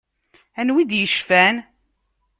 Anwa i d-yecfan?